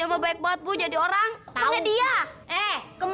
menzoli mi orang alim